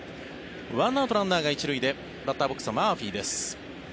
１アウト、ランナーが１塁でバッターボックスはマーフィーです。